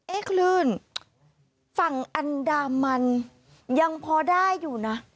คลื่นฝั่งอันดามันยังพอได้อยู่นะ